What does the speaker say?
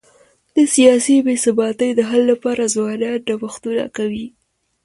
د سیاسي بي ثباتی د حل لپاره ځوانان نوښتونه کوي.